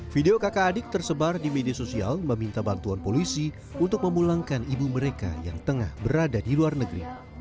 video kakak adik tersebar di media sosial meminta bantuan polisi untuk memulangkan ibu mereka yang tengah berada di luar negeri